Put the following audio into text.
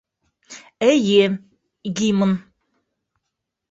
- Эйе, гимн.